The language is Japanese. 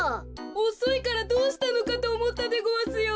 おそいからどうしたのかとおもったでごわすよ。